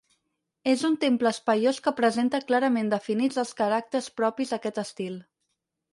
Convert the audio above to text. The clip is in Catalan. És un temple espaiós que presenta clarament definits els caràcters propis d'aquest estil.